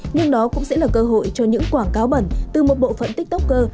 nhưng đó cũng sẽ là cơ hội cho những quảng cáo bẩn từ một bộ phận tiktoker